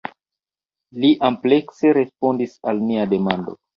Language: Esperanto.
Li amplekse respondis al nia demando.